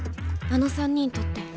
あの３人撮って。